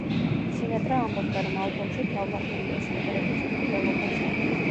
სინატრა ამბობდა, რომ ალბომში თავმოყრილია სიმღერები თვითმკვლელობაზე.